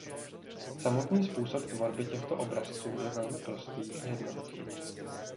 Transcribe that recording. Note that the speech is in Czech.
Samotný způsob tvorby těchto obrazců je velmi prostý a jednoduchý.